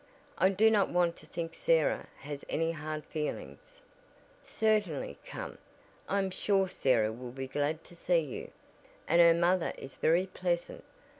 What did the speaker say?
I do not want to think Sarah has any hard feelings." "Certainly; come, I am sure Sarah will be glad to see you, and her mother is very pleasant.